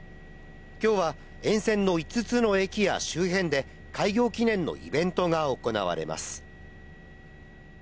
今日は沿線の５つの駅や周辺で開業記念のイベントが行われます。